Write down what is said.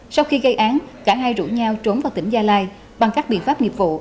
sau khi gây án cả hai rủ nhau trốn vào tỉnh gia lai bằng các biện pháp nghiệp vụ